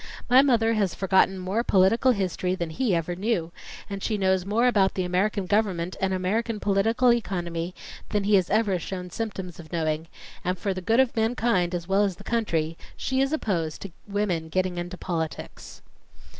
My mother has forgotten more political history than he ever knew, and she knows more about the American government and American political economy than he has ever shown symptoms of knowing, and for the good of mankind as well as the country she is opposed to women getting into politics."